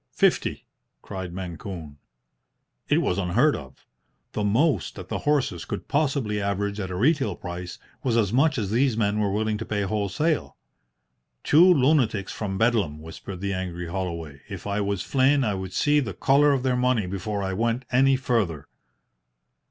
"Fifty!" cried Mancune. It was unheard of. The most that the horses could possibly average at a retail price was as much as these men were willing to pay wholesale. "Two lunatics from Bedlam," whispered the angry Holloway. "If I was Flynn I would see the colour of their money before I went any further."